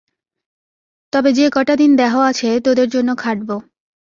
তবে যে-কটা দিন দেহ আছে, তোদের জন্য খাটব।